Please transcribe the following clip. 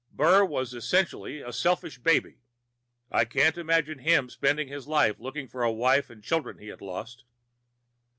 Burr was essentially a selfish baby. I can't imagine him spending his life looking for a wife and children he had lost.